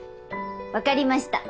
分かりました。